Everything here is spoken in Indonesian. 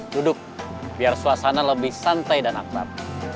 duduk biar suasana lebih santai dan akbar